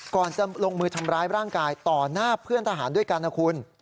ก่อนจะลงมือทำร้ายร่างกายต่อหน้าเพื่อนทหารด้วยกันนะคุณ